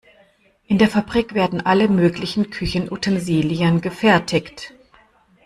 In der Fabrik werden alle möglichen Küchenutensilien gefertigt.